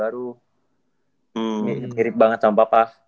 kalo ade tuh yang ade kalo si ade baru mirip banget sama papa